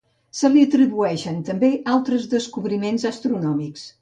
Se li atribueixen també altres descobriments astronòmics.